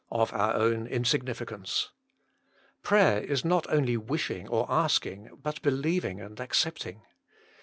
of our own insignificance. Prayer is not only wishing, or asking, but believing and accepting.